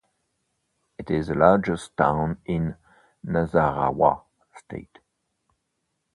It is the largest town in Nasarawa state.